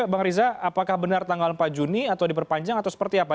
bang riza apakah benar tanggal empat juni atau diperpanjang atau seperti apa